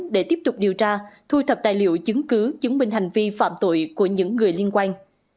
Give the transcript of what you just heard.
để tiếp tục điều tra thu thập tài liệu chứng cứ chứng minh hành vi phạm tội của những người liên quan